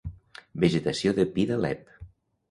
Vegetació de pi d'Alep.